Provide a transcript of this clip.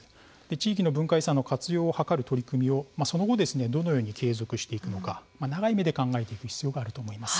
地域の文化遺産の活用を図る取り組みというのをその後、どのように継続していくか長い目で考えていく必要があります。